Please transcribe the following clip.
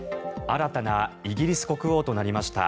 新たなイギリス国王となりました